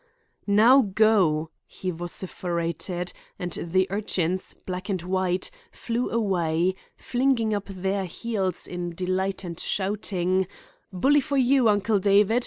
"Now go!" he vociferated; and the urchins, black and white, flew away, flinging up their heels in delight and shouting: "Bully for you, Uncle David!